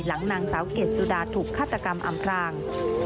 นางสาวเกดสุดาถูกฆาตกรรมอำพราง